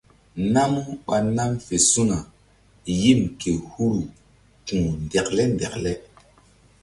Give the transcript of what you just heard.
Namu ɓa nam fe su̧na yim ke huru ku̧h ndekle ndekle.